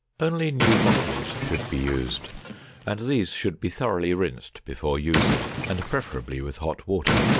Only new bottles should be used and these should be thoroughly rinsed before using and preferably with hot water.